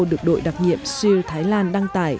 được đội đặc nhiệm seal thái lan đăng tải